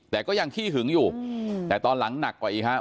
แต่ก็ยังขี้หึงอยู่แต่ตอนหลังหนักกว่าอีกครับ